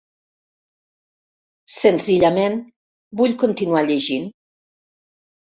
Senzillament, vull continuar llegint.